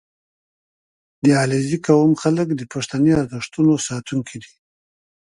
• د علیزي قوم خلک د پښتني ارزښتونو ساتونکي دي.